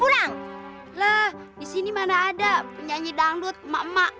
loh disini mana ada penyanyi dangdut emak emak